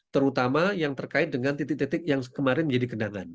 terutama yang terkait dengan titik titik yang kemarin menjadi genangan